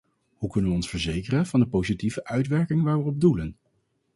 Hoe kunnen we ons verzekeren van de positieve uitwerking waar we op doelen?